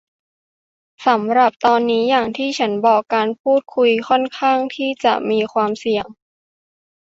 สำหรับตอนนี้อย่างที่ฉันบอก การพูดคุยค่อนข้างที่จะมีความเสี่ยง